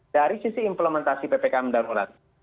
dari sisi implementasi ppkm darurat